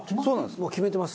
もう決めてます。